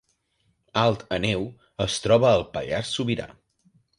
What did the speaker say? Alt Àneu es troba al Pallars Sobirà